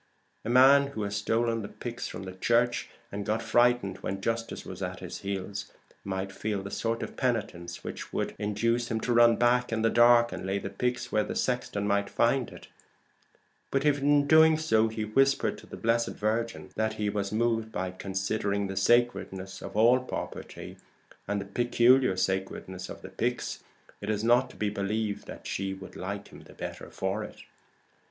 A man who had stolen the pyx, and got frightened when justice was at his heels, might feel the sort of penitence which would induce him to run back in the dark and lay the pyx where the sexton might find it; but if in doing so he whispered to the Blessed Virgin that he was moved by considering the sacredness of all property, and the peculiar sacredness of the pyx, it is not to be believed that she would like him the better for it.